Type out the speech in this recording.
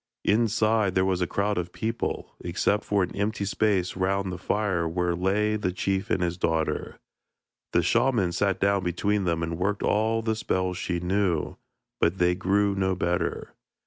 Inside, there was a crowd of people, except for an empty space round the fire where lay the chief and his daughter. The shaman sat down between them and worked all the spells she knew, but they grew no better.